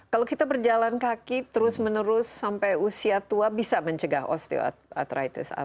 kalau kita berjalan kaki terus menerus sampai usia tua bisa mencegah osteoartritis